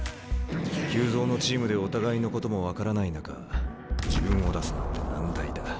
急造のチームでお互いのことも分からない中自分を出すなんて難題だ。